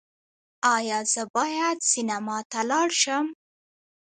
ایا زه باید سینما ته لاړ شم؟